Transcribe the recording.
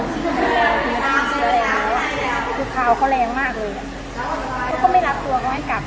ภรรยาภรรยาลาศเขาแรงมากเลยก็ไม่รับตัวก็ไม่กลับ